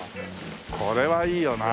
これはいいよな。